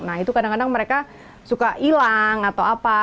nah itu kadang kadang mereka suka hilang atau apa